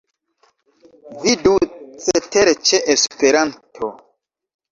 Vidu cetere ĉe Esperanto.